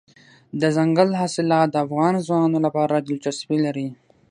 دځنګل حاصلات د افغان ځوانانو لپاره دلچسپي لري.